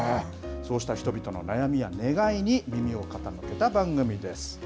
そうした人々の悩みや願いに耳を傾けた番組です。